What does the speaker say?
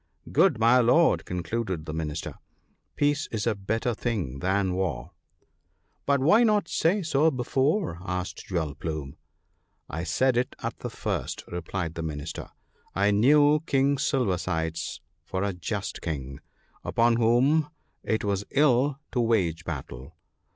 Good my Lord," concluded the Minister, "peace is a better thing than war." " But why not say so before ?" asked Jewel plume. "I said it at the first," replied the Minister. "I knew King Silver sides for a just King, upon whom it was ill to wage battle.